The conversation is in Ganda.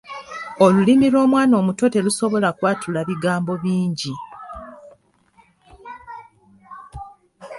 Olulimi lw'omwana omuto terusobola kwatula bigambo bingi.